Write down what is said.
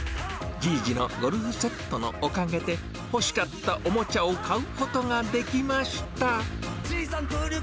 じいじのゴルフセットのおかげで、欲しかったおもちゃを買うことができました。